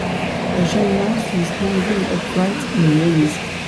A gymnast is hanging upright in rings.